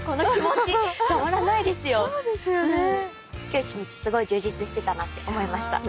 今日１日すごい充実してたなって思いました。